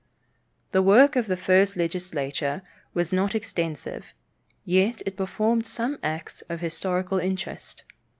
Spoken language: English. The work of the first legislature was not extensive, yet it performed some acts of historical interest.